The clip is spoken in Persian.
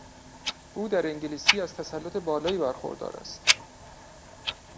او در انگلیسی از تسلط بالایی برخوردار است.